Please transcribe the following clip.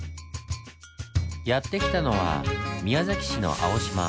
やって来たのは宮崎市の青島。